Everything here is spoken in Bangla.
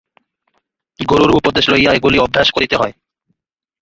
গুরুর উপদেশ লইয়া এগুলি অভ্যাস করিতে হয়।